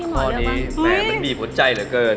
ข้อนี้แหมมันบีบหัวใจเหลือเกิน